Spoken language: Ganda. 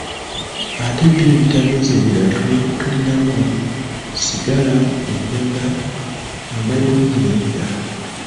Ate byo ebitamiiza ebirala tulinamu, sigala, enjaga, amayirungi n'ebirala.